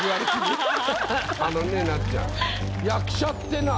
あのねなっちゃん